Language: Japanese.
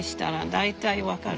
大体分かる？